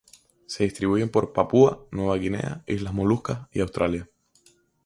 Se distribuyen por Papúa Nueva Guinea, Islas Molucas y Australia.